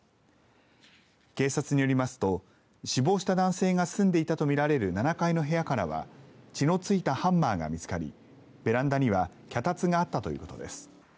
警察によりますと死亡した男性が住んでいたと見られる７階の部屋からは血のついたハンマーが見つかりベランダには脚立があったということです。